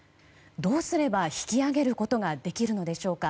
どうすれば引き揚げることができるのでしょうか。